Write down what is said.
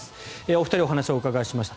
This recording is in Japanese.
お二人、お話をお伺いしました。